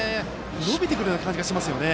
伸びてくるような感じがしますね。